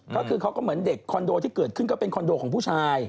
ก็คือเขาก็เหมือนเด็กคอนโดที่เกิดขึ้นก็เป็นคอนโดของผู้ชาย